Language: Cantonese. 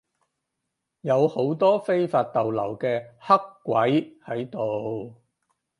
有好多非法逗留嘅黑鬼喺度